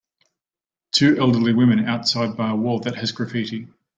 Two elderly woman outside by a wall that has graffiti.